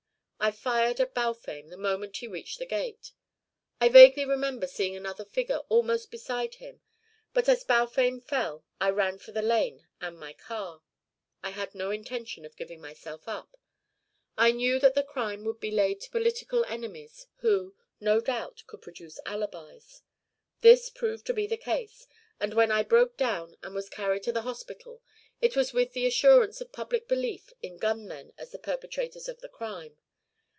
I fired at Balfame the moment he reached the gate. I vaguely remember seeing another figure almost beside him, but as Balfame fell I ran for the lane and my car. I had no intention of giving myself up. I knew that the crime would be laid to political enemies, who, no doubt, could produce alibis. This proved to be the case, and when I broke down and was carried to the hospital it was with the assurance of public belief in gun men as the perpetrators of the crime.